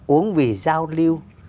uống vì giao lưu